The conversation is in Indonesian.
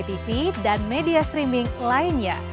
tv dan media streaming lainnya